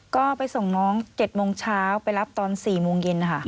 ก็ไปส่งน้อง๗โมงเช้าไปรับตอน๔โมงเย็นค่ะ